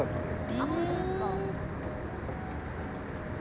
あっ本当ですか？